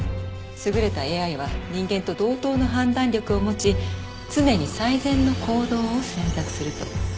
優れたＡＩは人間と同等の判断力を持ち常に最善の行動を選択すると。